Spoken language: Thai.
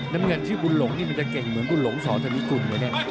น้ำเงินชื่อบุญหลงนี่มันจะเก่งเหมือนบุญหลงสอธนิกุลไหมเนี่ย